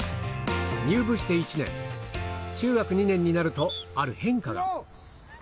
入部して１年、中学２年になると、ある変化が。